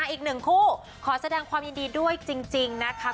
อีกหนึ่งคู่ขอแสดงความยินดีด้วยจริงนะคะ